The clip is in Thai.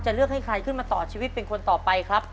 เลือกให้ใครขึ้นมาต่อชีวิตเป็นคนต่อไปครับ